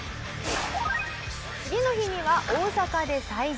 次の日には大阪で催事。